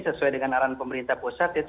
sesuai dengan arahan pemerintah pusat